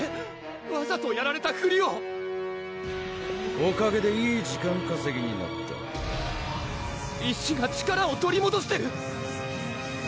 わざとやられたふりをおかげでいい時間かせぎになった石が力を取りもどしてる！